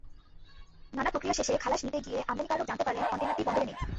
নানা প্রক্রিয়া শেষে খালাস নিতে গিয়ে আমদানিকারক জানতে পারেন, কনটেইনারটি বন্দরে নেই।